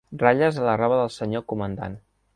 Ratlles a la roba del senyor comandant.